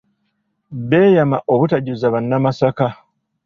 Beeyama obutajuza bannamasaka.